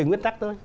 với nguyên tắc thôi